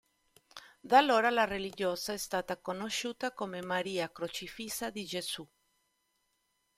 Da allora la religiosa è stata conosciuta come Maria Crocifissa di Gesù.